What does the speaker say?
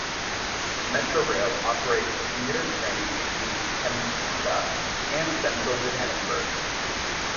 Metrorail operates commuter trains between Tembisa and central Johannesburg.